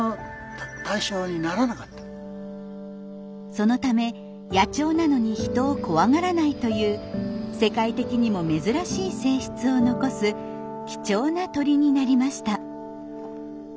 そのため野鳥なのに人を怖がらないという世界的にも珍しい性質を残す貴重な鳥になりました。